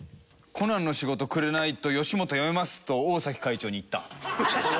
『コナン』の仕事くれないと吉本辞めますと大会長に言った。